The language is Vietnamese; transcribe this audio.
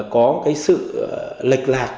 có cái sự lệch lạc